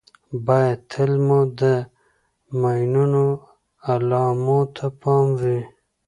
باید تل مو د ماینونو د علامو ته پام وي.